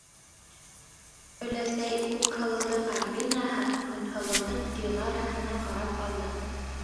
Өләсәй, - Күкһылыуҙың Альбинаһы, Көнһылыуҙың Дилараһына ҡарап алды.